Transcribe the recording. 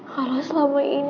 kalau selama ini lo egois